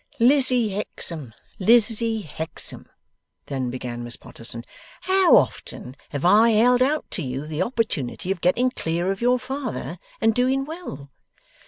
'Lizzie Hexam, Lizzie Hexam,' then began Miss Potterson, 'how often have I held out to you the opportunity of getting clear of your father, and doing well?